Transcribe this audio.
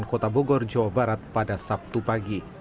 kota bogor jawa barat pada sabtu pagi